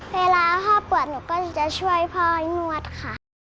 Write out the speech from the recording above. เวลาพ่อปวดหนูก็จะช่วยพ่อให้นวดค่ะ